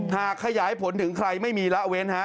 หากขยายผลถึงใครไม่มีละเว้นฮะ